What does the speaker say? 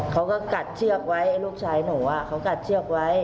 เขาก็กัดเชือกไว้ลูกชายหนูเขากัดเชือกไว้